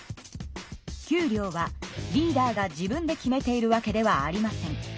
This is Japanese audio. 給料はリーダーが自分で決めているわけではありません。